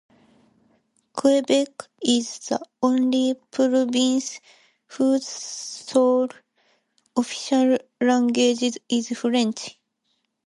Quebec is the only province whose sole official language is French.